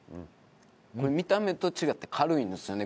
見た目と違って軽いんですよね